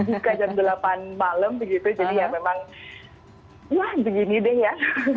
buka jam delapan malam begitu jadi ya memang wah begini deh ya